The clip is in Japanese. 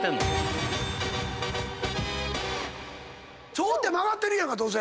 腸って曲がってるやんかどうせ。